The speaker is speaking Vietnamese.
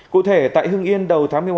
cụ thể tại hưng yên đầu tháng một mươi một